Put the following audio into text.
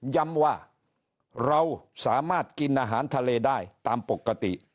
ย้ำว่าเราสามารถกินอาหารทะเลได้ตามปกติ